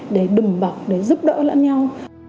để đùm bọc để giúp đỡ lẫn nhau